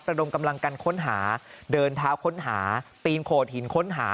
ดมกำลังกันค้นหาเดินเท้าค้นหาปีนโขดหินค้นหา